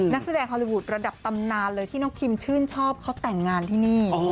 นักแสดงฮอลลี่วูดระดับตำนานเลยที่น้องคิมชื่นชอบเขาแต่งงานที่นี่